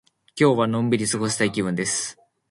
今日はのんびり過ごしたい気分です。